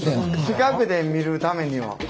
近くで見るためには。